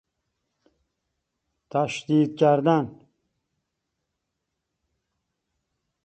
تشدید کردن